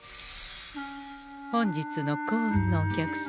本日の幸運のお客様。